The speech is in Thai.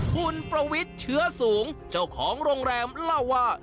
คุณประวิทย์เชื้อสูงเจ้าของโรงแรมเล่าว่า